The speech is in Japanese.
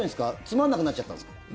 つまんなくなっちゃったんですか？